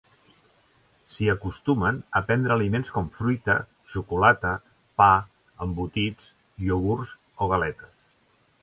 S'hi acostumen a prendre aliments com fruita, xocolata, pa, embotits, iogurts o galetes.